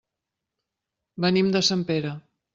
Venim de Sempere.